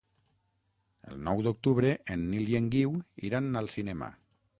El nou d'octubre en Nil i en Guiu iran al cinema.